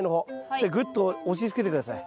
でぐっと押しつけて下さい。